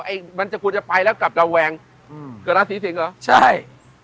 ไอ้มันจะควรจะไปแล้วกลับระแวงอืมเกิดราศีสิงเหรอใช่